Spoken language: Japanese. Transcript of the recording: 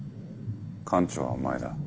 艦長はお前だ。